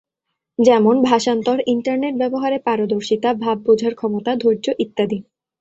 যেমনঃ ভাষান্তর, ইন্টারনেট ব্যবহারে পারদর্শিতা, ভাব বোঝার ক্ষমতা, ধৈর্য ইত্যাদি।